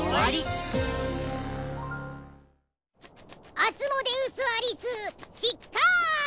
アスモデウス・アリス失格ーッ！